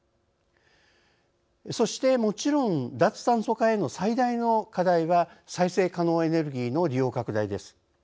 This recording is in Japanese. そしてもちろん脱炭素化への最大の課題は再生可能エネルギーの利用拡大です。